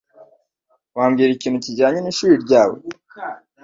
Wambwira ikintu kijyanye n'ishuri ryawe?